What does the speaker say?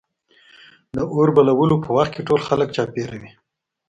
د اور بلولو په وخت کې ټول خلک چاپېره وي.